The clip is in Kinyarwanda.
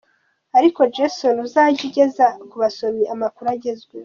Ariko Jason, uzajye ugeza kubasomyi amakuru agezweho.